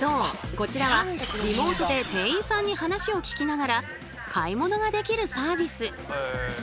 こちらはリモートで店員さんに話を聞きながら買い物ができるサービス。